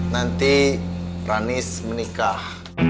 nanti ranis menikah